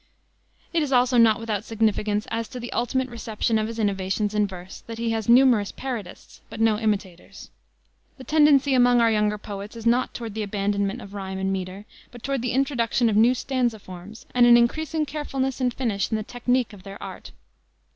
It is also not without significance as to the ultimate reception of his innovations in verse that he has numerous parodists, but no imitators. The tendency among our younger poets is not toward the abandonment of rhyme and meter, but toward the introduction of new stanza forms and an increasing carefulness and finish in the technique of their art.